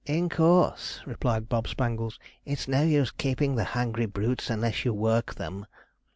'In course,' replied Bob Spangles; 'it's no use keeping the hungry brutes unless you work them.'